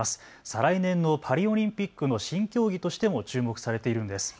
再来年のパリオリンピックの新競技としても注目されているんです。